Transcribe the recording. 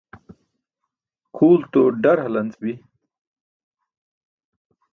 kʰulto ḍar halanc bi